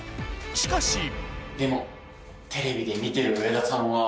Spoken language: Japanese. しかしでもテレビで見てる上田さんは。